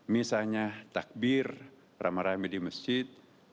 misalnya takbir ramah ramih di masjid